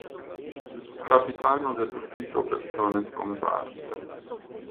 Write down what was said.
Capitano dell'ufficio Persone Scomparse.